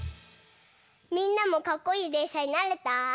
みんなもかっこいいでんしゃになれた？